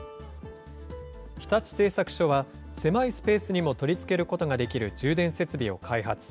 日立製作所は、狭いスペースにも取り付けることができる充電設備を開発。